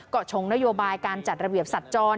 ก็ชงนโยบายการจัดระเบียบสัตว์จร